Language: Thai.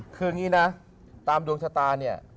คืองี้นะตามดวงชะตาเนี่ย